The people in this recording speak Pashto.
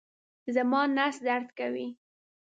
زما نس درد کوي